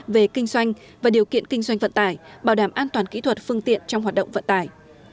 về kinh doanh và điều kiện kinh doanh vận tải bảo đảm an toàn kỹ thuật phương tiện trong hoạt động vận tải